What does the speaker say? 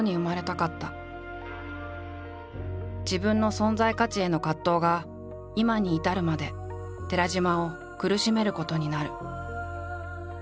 自分の存在価値への葛藤が今に至るまで寺島を苦しめることになる。